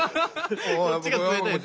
こっちが冷たいよ